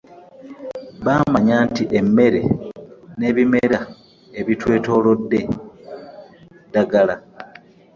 Baamanya nti emmere n'ebimera ebitwetoolodde ddagala.